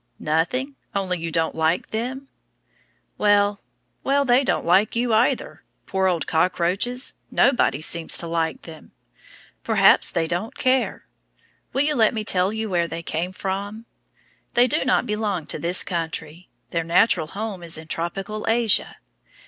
Nothing, only you don't like them? Well, well, they don't like you, either. Poor old cockroaches; nobody seems to like them. Perhaps they don't care. Will you let me tell you where they came from? They do not belong to this country. Their natural home is tropical Asia.